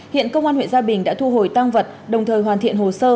hiện công an huyện gia bình đã thu hồi tăng vật đồng thời hoàn thiện hồ sơ